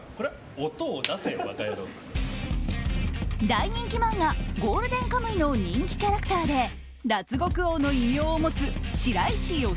大人気漫画「ゴールデンカムイ」の人気キャラクターで脱獄王の異名を持つ白石由